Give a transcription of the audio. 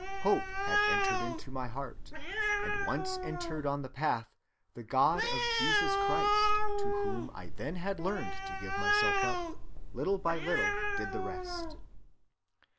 Hope had entered into my heart, and once entered on the path, the God of Jesus Christ, to whom I then had learned to give myself up, little by little did the rest."